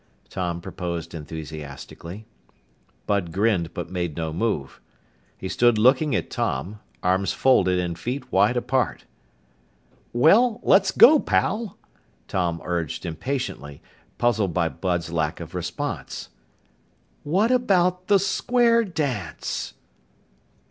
Tom proposed enthusiastically. Bud grinned but made no move. He stood looking at Tom, arms folded and feet wide apart. "Well, let's go, pal!" Tom urged impatiently, puzzled by Bud's lack of response. "What about the square dance?"